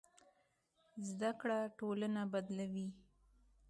زده کړه ټولنه بدلوي.